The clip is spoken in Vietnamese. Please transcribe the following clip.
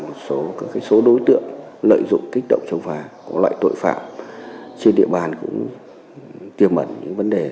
một số hoạt động tổ chức phòng ngừa một số đối tượng lợi dụng kích động chống phá một loại tội phạm trên địa bàn cũng tiêu mẩn những vấn đề gia tăng